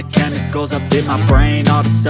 kau tak baik